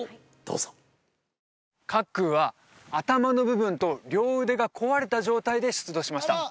どうぞ茅空は頭の部分と両腕が壊れた状態で出土しました